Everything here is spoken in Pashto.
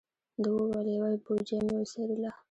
ده و ویل: یوه بوجۍ مې وڅیرله.